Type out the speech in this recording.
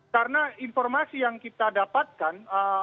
karena informasi yang kita dapatkan